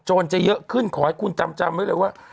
จะเยอะขึ้นขอให้คุณจำไว้เลยว่า